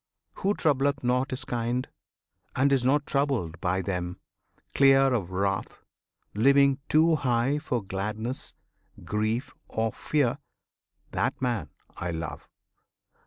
Who troubleth not his kind, And is not troubled by them; clear of wrath, Living too high for gladness, grief, or fear, That man I love!